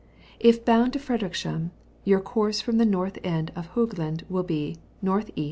If bound to Frederickshamn, your course from the north end of Hoogland will be N. E.